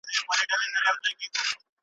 شاوخوا پر حجره یې لکه مار وګرځېدمه.